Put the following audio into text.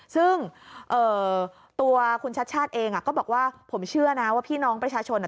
ซึ่งตัวคุณชัดชาติเองก็บอกว่าผมเชื่อนะว่าพี่น้องประชาชน